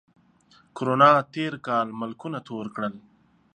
کرونا تېر کال ملکونه تور کړل